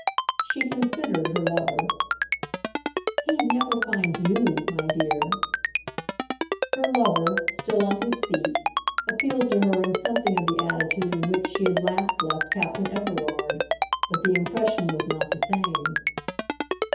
She considered her lover. "He'd never find you, my dear!" Her lover, still on his seat, appealed to her in something of the attitude in which she had last left Captain Everard, but the impression was not the same.